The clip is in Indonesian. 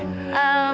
bagi banget ya